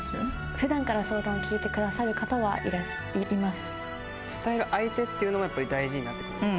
ふだんから相談聞いてくださ伝える相手っていうのが、やっぱり大事になってくるんですか？